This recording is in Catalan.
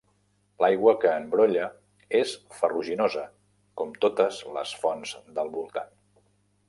L'aigua que en brolla és ferruginosa, com totes les fonts del voltant.